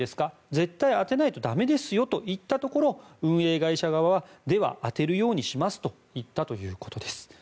絶対当てないとだめですよと言ったところ運営会社側はでは当てるようにしますと言ったということです。